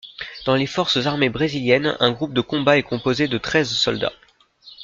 Dans les forces armées brésiliennes, un groupe de combat est composé de treize soldats.